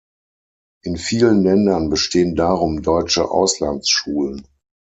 In vielen Ländern bestehen darum deutsche Auslandsschulen.